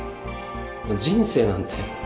人生なんて